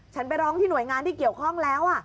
ไปร้องที่หน่วยงานที่เกี่ยวข้องแล้ว